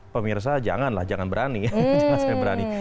pemirsa janganlah jangan berani